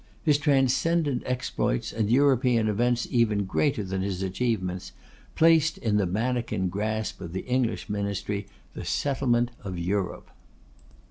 His transcendent exploits, and European events even greater than his achievements, placed in the manikin grasp of the English ministry, the settlement of Europe.